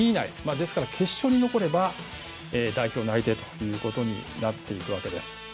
ですから、決勝に残れば代表内定ということになっていくわけです。